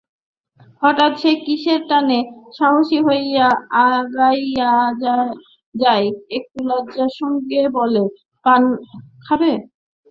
হঠাৎ সে কিসের টানে সাহসী হইয়া আগাইয়া যায়-একটু লজ্জার সঙ্গে বলে, পান খাবে?